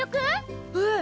うん！